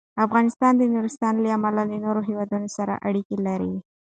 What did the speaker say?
افغانستان د نورستان له امله له نورو هېوادونو سره اړیکې لري.